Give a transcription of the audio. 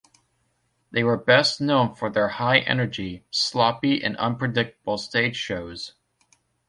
They were best known for their high energy, sloppy and unpredictable stage shows.